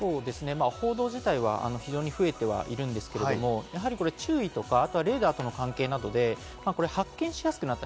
報道自体は増えているんですが、やはり注意とか、レーダーとの関係などで発見しやすくなった。